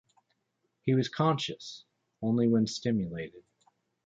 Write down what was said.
He was conscious only when stimulated.